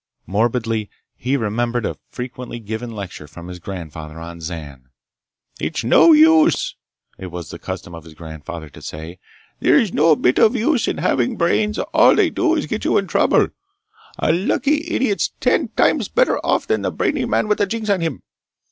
Morbidly, he remembered a frequently given lecture from his grandfather on Zan. "It's no use!" it was the custom of his grandfather to say. "There's not a bit o' use in having brains! All they do is get you into trouble! A lucky idiot's ten times better off than a brainy man with a jinx on him!